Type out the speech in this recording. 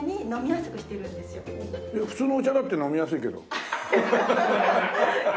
普通のお茶だって飲みやすいけど。